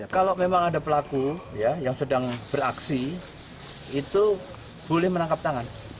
kalau memang ada pelaku yang sedang beraksi itu boleh menangkap tangan